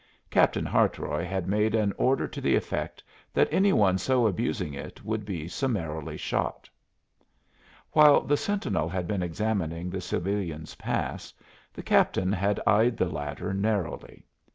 Captain Hartroy had made an order to the effect that any one so abusing it would be summarily shot. While the sentinel had been examining the civilian's pass the captain had eyed the latter narrowly.